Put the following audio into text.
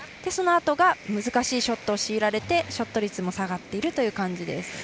そのあとが難しいショットを強いられてショット率も下がっている感じです。